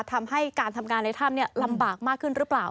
ทำให้การทำงานในถ้ำลำบากมากขึ้นหรือเปล่า